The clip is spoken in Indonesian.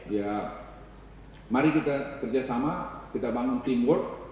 ya mari kita kerjasama kita bangun teamwork